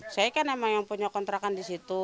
saya kan emang yang punya kontrakan di situ